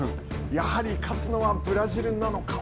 やはり勝つのはブラジルなのか。